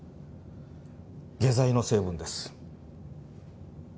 下剤の成分です。